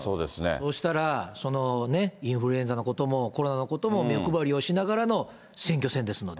そうしたら、そのね、インフルエンザのことも、コロナのことも目配りをしながらの選挙戦ですので。